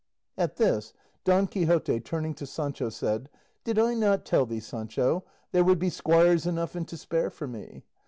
At this, Don Quixote, turning to Sancho, said, "Did I not tell thee, Sancho, there would be squires enough and to spare for me?